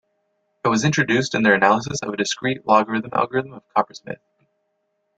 It was introduced in their analysis of a discrete logarithm algorithm of Coppersmith.